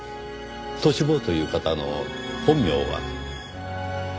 トシ坊という方の本名は？